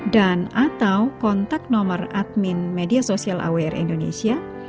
dan atau kontak nomor admin media sosial awr indonesia